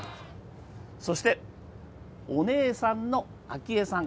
そして、お姉さんの明愛さん。